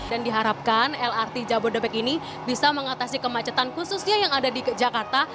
dan diharapkan lrt jabodetabek ini bisa mengatasi kemacetan khususnya yang ada di jakarta